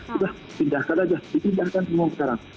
sudah pindahkan aja dipindahkan semua sekarang